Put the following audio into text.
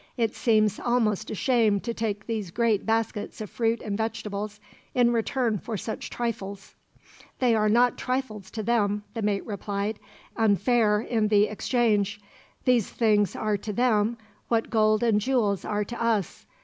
"It seems almost a shame to take these great baskets of fruit and vegetables, in return for such trifles." "They are not trifles to them," the mate replied, "and there is nothing unfair in the exchange. These things are to them what gold and jewels are to us.